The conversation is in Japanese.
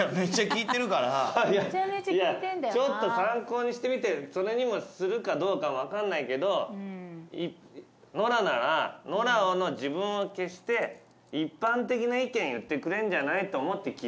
いやちょっと参考にしてみてそれにするかどうか分かんないけどノラなら自分を消して一般的な意見言ってくれんじゃないと思って聞いてるの。